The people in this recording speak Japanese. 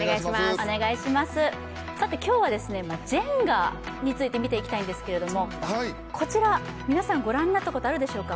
今日はジェンガについて見ていきたいんですけれどもこちら、皆さんご覧になったことあるでしょうか。